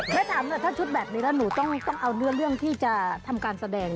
ถ้าถามมาถ้าชุดแบบนี้น่ะหนูต้องต้องเอาเรื่องที่จะทำการแสดง